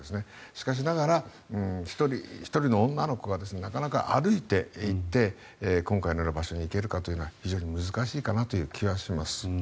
しかしながら、１人の女の子がなかなか歩いて行って今回のような場所に行けるかというのは非常に難しいかなという気はします。